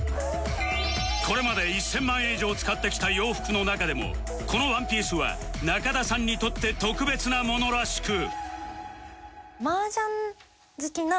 これまで１０００万円以上使ってきた洋服の中でもこのワンピースは中田さんにとって特別なものらしく